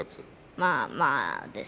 まあまあです。